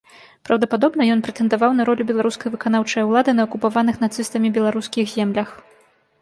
Праўдападобна, ён прэтэндаваў на ролю беларускай выканаўчай улады на акупаваных нацыстамі беларускіх землях.